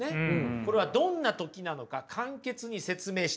これはどんな時なのか簡潔に説明してください。